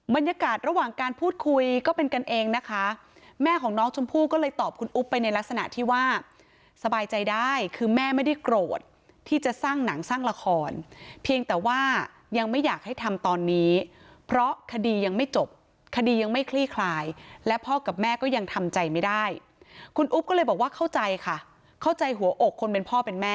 บรรยากาศระหว่างการพูดคุยก็เป็นกันเองนะคะแม่ของน้องชมพู่ก็เลยตอบคุณอุ๊บไปในลักษณะที่ว่าสบายใจได้คือแม่ไม่ได้โกรธที่จะสร้างหนังสร้างละครเพียงแต่ว่ายังไม่อยากให้ทำตอนนี้เพราะคดียังไม่จบคดียังไม่คลี่คลายและพ่อกับแม่ก็ยังทำใจไม่ได้คุณอุ๊บก็เลยบอกว่าเข้าใจค่ะเข้าใจหัวอกคนเป็นพ่อเป็นแม่